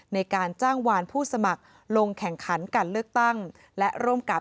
ในการจ้างวานผู้สมัครลงแข่งขันการเลือกตั้งและร่วมกับ